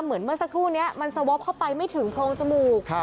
เหมือนเมื่อสักครู่นี้มันสวอปเข้าไปไม่ถึงโพรงจมูก